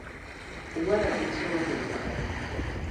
Угәараҭа анцәа уагимырхааит.